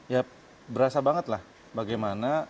ya berasa banget lah bagaimana